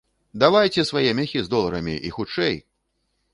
Давайце свае мяхі з доларамі, і хутчэй!